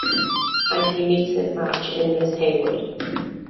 And he meets his match in Miss Heywood.